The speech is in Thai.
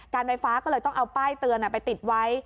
ไฟฟ้าก็เลยต้องเอาป้ายเตือนไปติดไว้